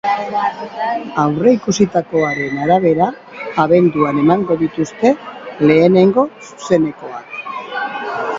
Aurreikusitakoaren arabera, abenduan emango dituzte lehenengo zuzenekoak.